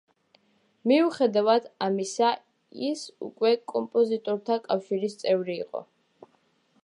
მიუხედავად ამისა, ის უკვე კომპოზიტორთა კავშირის წევრი იყო.